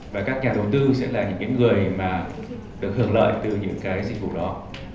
và các nhà đầu tư sẽ là những người mà được hưởng lợi từ những cái dịch vụ đó